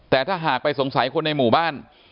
แต่ถ้าหากไปสงสัยคนในหมู่บ้าน